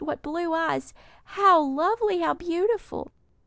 What blue eyes! How lovely! how beautiful!"